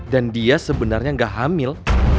dan dia sebenarnya gak hamil